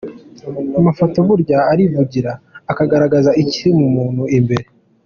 Amafoto burya arivugira, akagaragaza ikiri mu muntu imbere.